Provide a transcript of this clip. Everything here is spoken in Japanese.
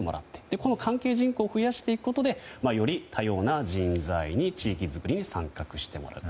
この関係人口を増やしていくことでより多様な人材に地域づくりに参画してもらうと。